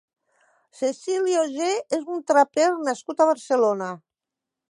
Cecilio G és un traper nascut a Barcelona.